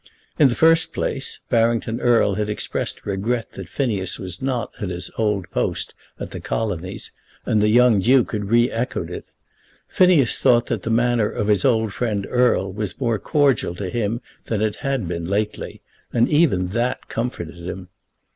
In the first place Barrington Erle had expressed a regret that Phineas was not at his old post at the Colonies, and the young Duke had re echoed it. Phineas thought that the manner of his old friend Erle was more cordial to him than it had been lately, and even that comforted him.